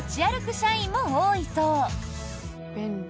社員も多いそう。